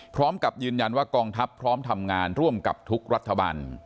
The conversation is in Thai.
พร้อมกับยืนยันว่ากองทัพพร้อมทำงานร่วมกับทุกรัฐบาล